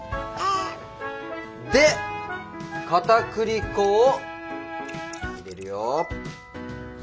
でかたくり粉を入れるよ。